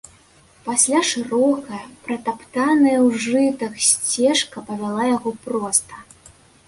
Пасля шырокая, пратаптаная ў жытах сцежка павяла яго проста.